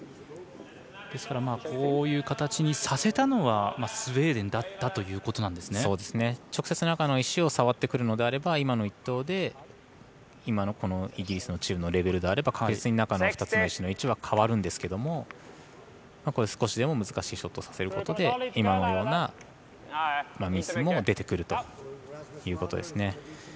ですからこういう形にさせたのはスウェーデンだった直接中の石を触ってくるのであれば今の１投で今のイギリスのレベルであれば確実に中の２つの石の位置は変わるんですけど少しでも難しいショットをさせることで、今のようなミスも出てくるということです。